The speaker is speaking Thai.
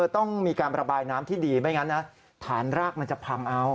ต้องมีการระบายน้ำที่ดีไม่งั้นนะฐานรากมันจะพังเอา